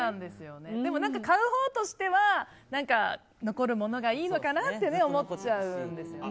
でも買うほうとしては残るものがいいのかなって思っちゃうんですよね。